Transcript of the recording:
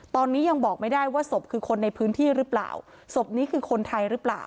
ตอนนี้ยังบอกไม่ได้ว่าศพคือคนในพื้นที่หรือเปล่าศพนี้คือคนไทยหรือเปล่า